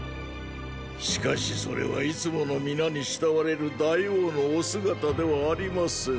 しかしそれはいつもの皆に慕われる大王のお姿ではありません。